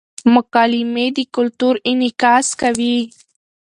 مکالمې د کلتور انعکاس کوي.